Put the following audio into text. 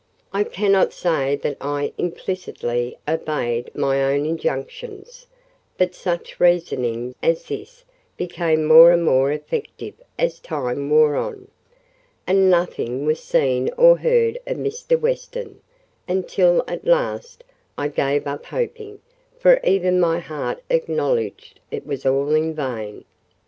I cannot say that I implicitly obeyed my own injunctions: but such reasoning as this became more and more effective as time wore on, and nothing was seen or heard of Mr. Weston; until, at last, I gave up hoping, for even my heart acknowledged it was all in vain.